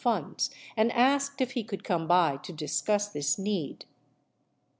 488 funds and asked if he could come by to discuss this need.